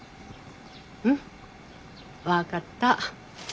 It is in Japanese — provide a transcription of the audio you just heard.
うん分かった。